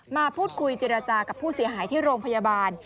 มาพูดคุยเจรจากับผู้เสียหายที่โรงพยาบาล